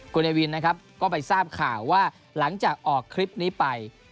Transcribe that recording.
คุณเนวินนะครับก็ไปทราบข่าวว่าหลังจากออกคลิปนี้ไป